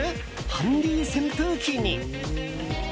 ハンディー扇風機に。